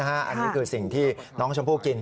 อันนี้คือสิ่งที่น้องชมพู่กิน